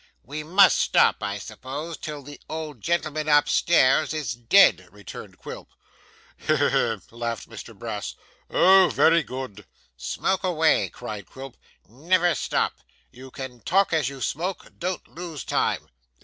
'We must stop, I suppose, till the old gentleman up stairs is dead,' returned Quilp. 'He he he!' laughed Mr Brass, 'oh! very good!' 'Smoke away!' cried Quilp. 'Never stop! You can talk as you smoke. Don't lose time.